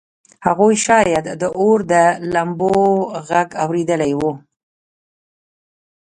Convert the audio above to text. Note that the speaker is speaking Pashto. هغوی شاید د اور د لمبو غږ اورېدلی و